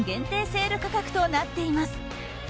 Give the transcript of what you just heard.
セール価格となっています。